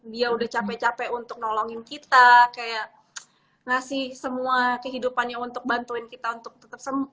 dia udah capek capek untuk nolongin kita kayak ngasih semua kehidupannya untuk bantuin kita untuk tetap semangat